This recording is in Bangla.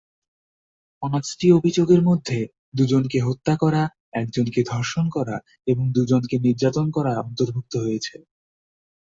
পাঁচটি অভিযোগের মধ্যে দু'জনকে হত্যা করা, একজনকে ধর্ষণ করা এবং দু'জনকে নির্যাতন করা অন্তর্ভুক্ত রয়েছে।